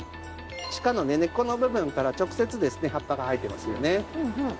地下の根っこの部分から直接葉っぱが生えてますよね。